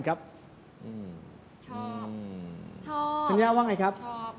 สัญญาว่าไงครับ